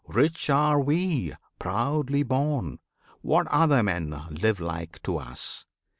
Rich are we, proudly born! What other men Live like to us?